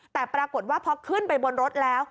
แต่ปรากฏว่าพอขึ้นไปบนรถแล้ว